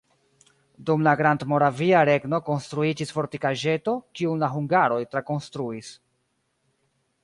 Dum la Grandmoravia regno konstruiĝis fortikaĵeto, kiun la hungaroj trakonstruis.